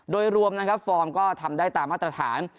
โดยรวมนะครับฟอร์มก็ทำได้ตามมาตรฐาน